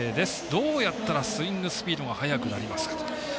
どうやったらスイングスピードが早くなりますかと。